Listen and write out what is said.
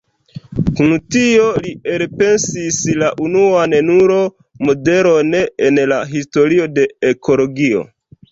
Kun tio, li elpensis la unuan nulo-modelon en la historio de ekologio.